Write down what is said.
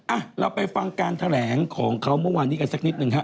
อ่ะเราไปฟังการแถลงของเขาเมื่อวานนี้กันสักนิดหนึ่งฮะ